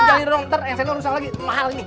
eh jangan dorong ntar yang ini rusak lagi mahal ini